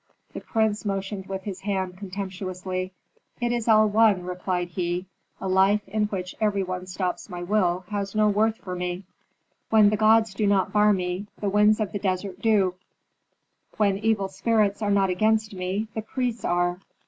The prince motioned with his hand contemptuously. "It is all one," replied he. "A life in which every one stops my will has no worth for me. When the gods do not bar me, the winds of the desert do; when evil spirits are not against me, the priests are.